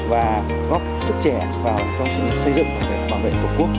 và góp sức trẻ vào trong sự xây dựng và bảo vệ tổ quốc